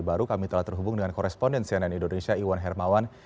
baru kami telah terhubung dengan koresponden cnn indonesia iwan hermawan